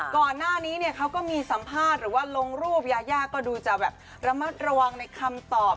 ก่อนหน้านี้เนี่ยเขาก็มีสัมภาษณ์หรือว่าลงรูปยายาก็ดูจะแบบระมัดระวังในคำตอบ